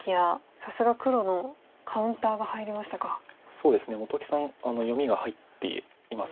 そうですね本木さん読みが入っています。